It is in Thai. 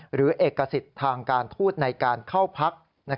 หรือเอกสิทธิ์ทางการทูตในการเข้าพัก